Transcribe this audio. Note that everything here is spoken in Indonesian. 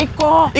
iko di arab doi